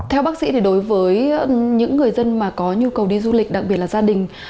theo bác sĩ thì đối với những người dân mà có nhu cầu đi du lịch đặc biệt là gia đình